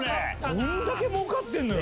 どんだけもうかってんのよ！